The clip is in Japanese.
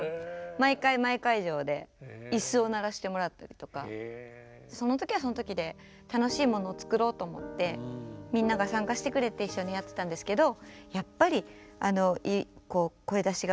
毎回毎会場で椅子を鳴らしてもらったりとかその時はその時で楽しいものを作ろうと思ってみんなが参加してくれて一緒にやってたんですけど。